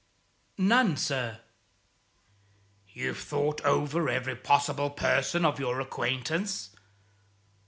"None, sir." "You've thought over every possible person of your acquaintance?